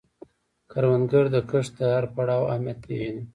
کروندګر د کښت د هر پړاو اهمیت پېژني